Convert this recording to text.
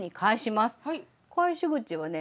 返し口はね